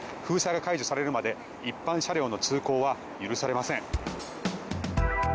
封鎖が解除されるまで一般車両の通行は許されません。